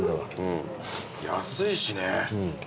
安いしね。